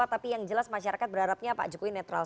tapi yang jelas masyarakat berharapnya pak jokowi netral